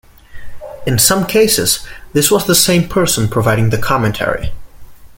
In some cases, this was the same person providing the commentary.